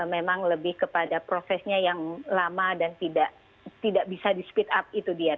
memang lebih kepada prosesnya yang lama dan tidak bisa di speed up itu dia